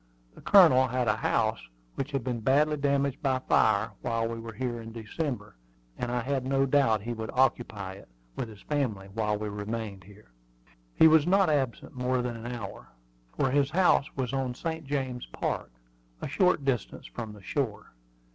The Colonel had a house which had been badly damaged by fire while we were here in December, and I had no doubt he would occupy it, with his family, while we remained here. He was not absent more than an hour, for his house was on St. James Park, a short distance from the shore.